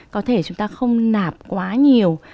có thể chúng ta không nạp quá nhiều